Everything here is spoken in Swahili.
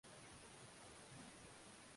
akikutana na viongozi wa serikali ya mpito